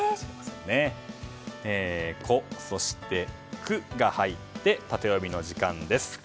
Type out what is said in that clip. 「コ」、「ク」が入ってタテヨミの時間です。